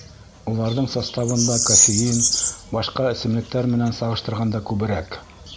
Уларҙың составында кофеин, башҡа эсемлектәр менән сағыштырғанда, күберәк.